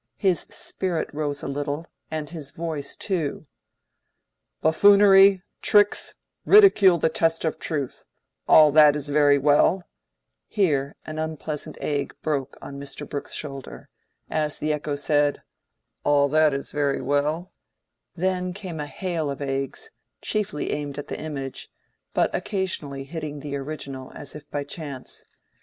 His spirit rose a little, and his voice too. "Buffoonery, tricks, ridicule the test of truth—all that is very well"—here an unpleasant egg broke on Mr. Brooke's shoulder, as the echo said, "All that is very well;" then came a hail of eggs, chiefly aimed at the image, but occasionally hitting the original, as if by chance.